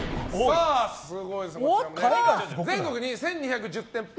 全国に１２１０店舗